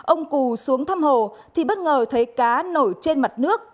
ông cù xuống thăm hồ thì bất ngờ thấy cá nổi trên mặt nước